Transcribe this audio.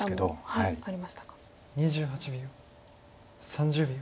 ３０秒。